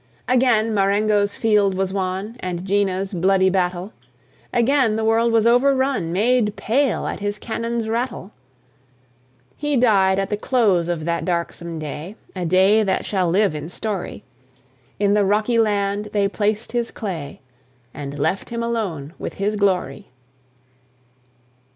Again Marengo's field was won, And Jena's bloody battle; Again the world was overrun, Made pale at his cannon's rattle. He died at the close of that darksome day, A day that shall live in story; In the rocky land they placed his clay, "And left him alone with his glory."